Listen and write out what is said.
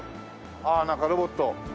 ああなんかロボット。